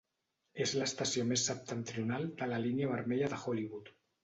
És l'estació més septentrional de la Línia vermella de Hollywood.